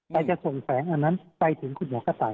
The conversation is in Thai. แต่จะส่งแฝงอันนั้นไปถึงคุณหมอกระต่าย